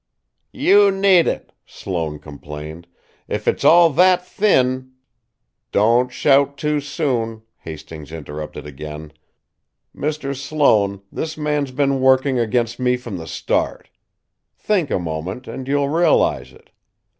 "You need it," Sloane complained. "If it's all that thin " "Don't shout too soon," Hastings interrupted again. "Mr. Sloane, this man's been working against me from the start. Think a moment, and you'll realize it.